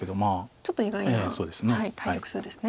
ちょっと意外な対局数ですね。